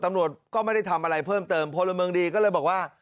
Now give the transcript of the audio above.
ตำรวจก็ไม่ได้ทำอะไรเพิ่มเติมพลเมืองดีก็เลยบอกว่า